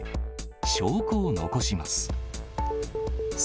証拠を残します。